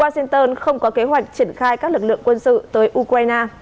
washington không có kế hoạch triển khai các lực lượng quân sự tới ukraine